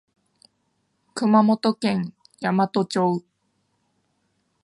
熊本県山都町